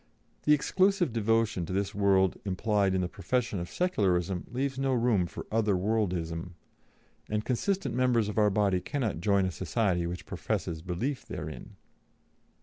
The exclusive devotion to this world implied in the profession of Secularism leaves no room for other worldism; and consistent members of our body cannot join a society which professes belief therein."